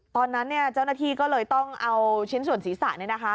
ตอนนั้นเจ้าหน้าที่ก็เลยต้องเอาชิ้นส่วนศีรษะ